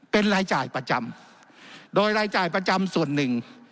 เป็นรายจ่ายประจำโดยรายจ่ายประจำส่วนหนึ่ง